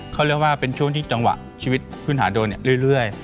เขาเรียกว่าเป็นช่วงที่จังหวะชีวิตพื้นหาโดนเรื่อย